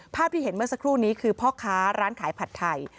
ภาพที่เห็นเมื่อสักครู่นี้คือพ่อค้าร้านขายผัดไทย